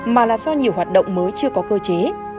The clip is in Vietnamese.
mà là do nhiều hoạt động mới chưa có cơ chế